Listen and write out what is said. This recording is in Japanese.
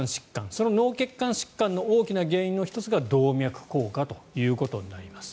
その脳血管疾患の大きな原因の１つが動脈硬化となります。